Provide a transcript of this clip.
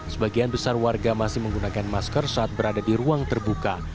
sebagian besar warga masih menggunakan masker saat berada di ruang terbuka